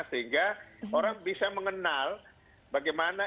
sehingga orang bisa mengenal bagaimana